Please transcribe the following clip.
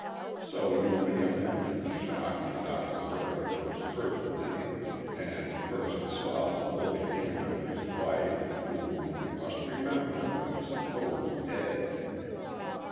So you may imagine the shock when Doctor Waring first heard the name, and first saw the living image of his wife, whom, you must remember, he supposed dead.